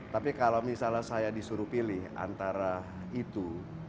tapi kalau misalnya saya disuruh pilih antara itu